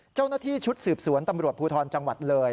เจ้าหน้าที่ชุดสืบสวนตำรวจภูทรจังหวัดเลย